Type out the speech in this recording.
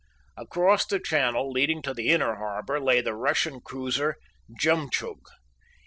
Across the channel leading to the inner harbor lay the Russian cruiser Jemtchug.